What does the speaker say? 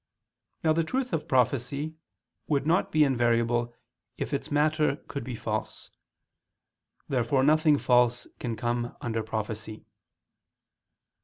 Now the truth of prophecy would not be invariable, if its matter could be false. Therefore nothing false can come under prophecy.